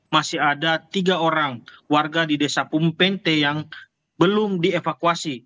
masih ada tiga orang warga di desa pumppente yang belum dievakuasi